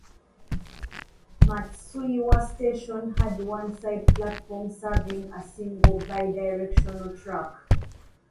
Matsuiwa Station had one side platform serving a single bi-directional track.